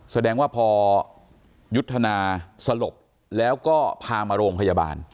แสดงว่าพอยุทธนาสลบแล้วก็พามาโรงพยาบาล